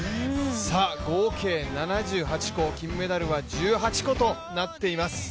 合計７８個、金メダルは１８個となっています。